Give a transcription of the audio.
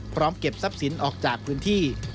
เก็บทรัพย์สินออกจากพื้นที่